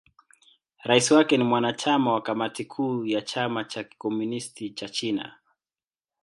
Rais wake ni mwanachama wa Kamati Kuu ya Chama cha Kikomunisti cha China.